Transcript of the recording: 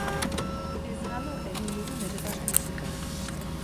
Ez galdu egin dugun errepaso musikala.